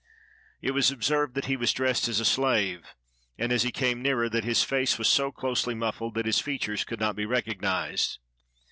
It was observed that he was dressed as a slave, and, as he came nearer, that his face was so closely mufifled that his features could not be recognized.